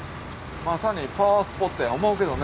まさにパワースポットや思うけどね